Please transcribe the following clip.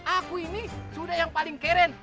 aku ini sudah yang paling keren